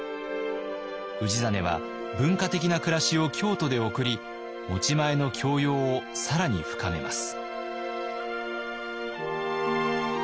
氏真は文化的な暮らしを京都で送り持ち前の教養を更に深めます。